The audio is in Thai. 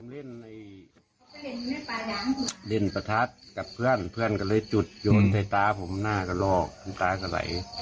เล่นประทัดกับเพื่อนเพื่อนก็เลยจุดโยนใส่ตาผมหน้ากระลอกน้ำตาก็ไหล